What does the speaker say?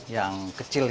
yang kecil ya